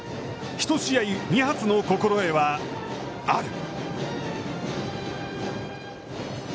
１試合２発の心得は、ある！